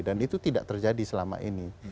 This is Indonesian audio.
dan itu tidak terjadi selama ini